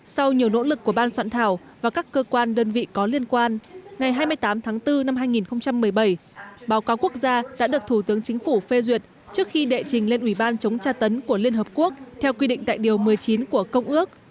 sau nhiều nỗ lực của ban soạn thảo và các cơ quan đơn vị có liên quan ngày hai mươi tám tháng bốn năm hai nghìn một mươi bảy báo cáo quốc gia đã được thủ tướng chính phủ phê duyệt trước khi đệ trình lên ủy ban chống tra tấn của liên hợp quốc theo quy định tại điều một mươi chín của công ước